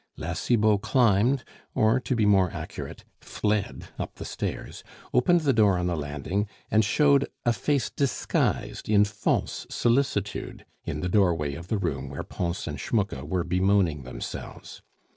La Cibot climbed, or, to be more accurate, fled up the stairs, opened the door on the landing, and showed a face disguised in false solicitude in the doorway of the room where Pons and Schmucke were bemoaning themselves.